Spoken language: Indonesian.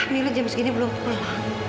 mi lo jam segini belum pulang